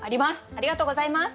ありがとうございます！